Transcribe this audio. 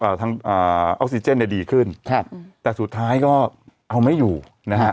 ทางอ่าออกซิเจนเนี่ยดีขึ้นครับแต่สุดท้ายก็เอาไม่อยู่นะฮะ